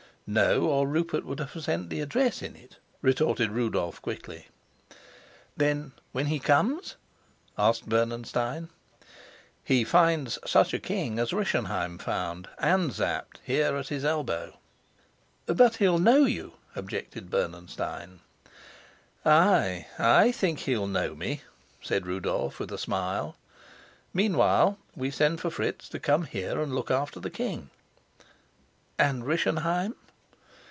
"No, or Rupert would have sent the address in it," retorted Rudolf quickly. "Then when he comes?" asked Bernenstein. "He finds such a king as Rischenheim found, and Sapt, here, at his elbow." "But he'll know you," objected Bernenstein. "Ay, I think he'll know me," said Rudolf with a smile. "Meanwhile we send for Fritz to come here and look after the king." "And Rischenheim?"